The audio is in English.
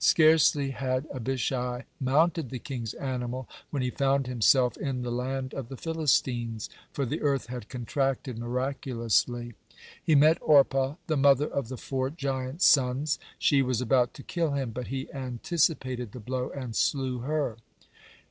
Scarcely had Abishai mounted the king's animal, when he found himself in the land of the Philistines, for the earth had contracted miraculously. He met Orpah, the mother of the four giant sons. She was about to kill him, but he anticipated the blow and slew her.